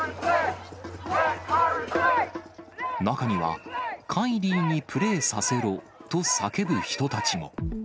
中には、カイリーにプレーさせろと叫ぶ人たちも。